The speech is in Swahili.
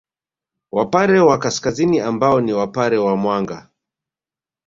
Wapare wa Kaskazini ambao ni Wapare wa Mwanga